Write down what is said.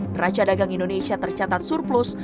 neraca dagang indonesia tercatat surplus